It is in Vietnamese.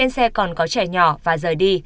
xe còn có trẻ nhỏ và rời đi